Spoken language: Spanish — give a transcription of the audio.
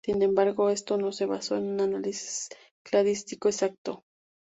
Sin embargo, esto no se basó en un análisis cladístico exacto.